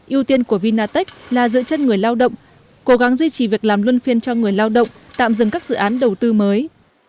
yêu tiên của vinatech là giữ chân người lao động cố gắng duy trì việc làm luân phiên cho người lao động tạm dừng các dự án đầu tư mới